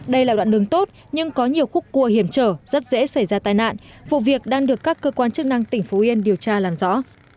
đây là đoạn đường tốt nhưng có nhiều khúc cua hiểm trở rất dễ xảy ra tai nạn vụ việc đang được các cơ quan chức năng tỉnh phú yên điều tra làm rõ